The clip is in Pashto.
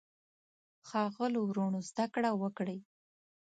ښاغلو وروڼو زده کړه وکړئ.